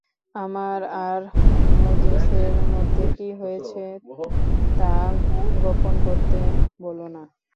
আমার আর মোজেসের মধ্যে কী হয়েছে, তা গোপন করতে বোলো না।